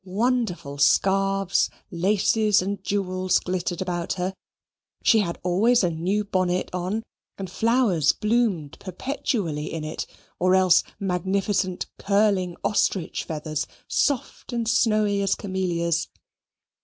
Wonderful scarfs, laces, and jewels glittered about her. She had always a new bonnet on, and flowers bloomed perpetually in it, or else magnificent curling ostrich feathers, soft and snowy as camellias.